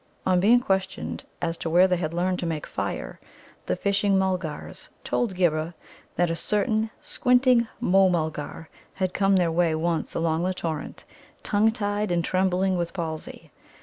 On being questioned as to where they had learned to make fire, the Fishing mulgars told Ghibba that a certain squinting Môh mulgar had come their way once along the torrent, tongue tied and trembling with palsy.